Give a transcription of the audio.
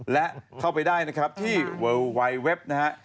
และเข้าไปได้นะครับที่เวิลวายเว็บนะฮะ